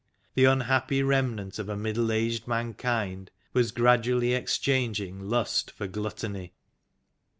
The unhappy remnant of a middle aged mankind was gradually exchanging lust for gluttony.